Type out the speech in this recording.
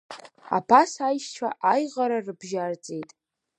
Абас аишьцәа аиӷара рыбжьарҵеит.